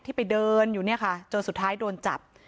ไปเดินอยู่เนี่ยค่ะจนสุดท้ายโดนจับ